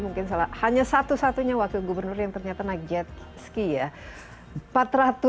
mungkin salah hanya satu satunya wakil gubernur yang ternyata naik jet ski ya